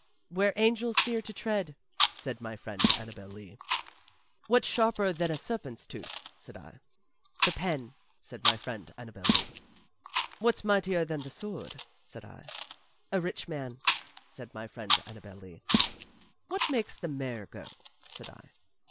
"Where angels fear to tread," said my friend Annabel Lee. "What's sharper than a serpent's tooth?" said I. "The pen," said my friend Annabel Lee. "What's mightier than the sword?" said I. "A rich man," said my friend Annabel Lee. "What makes the mare go?" said I.